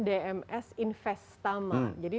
dms investama jadi